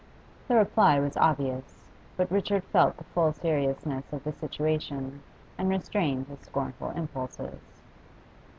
The reply was obvious, but Richard felt the full seriousness of the situation and restrained his scornful impulses.